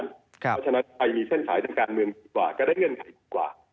เพราะฉะนั้นไปมีเส้นสายทางการเมืองดีกว่าก็ได้เงื่อนไขกว่า